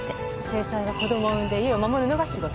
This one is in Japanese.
正妻は子供を産んで家を守るのが仕事。